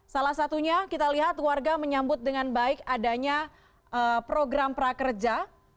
salah satunya kita lihat warga menyambut dengan baik adanya program prakerja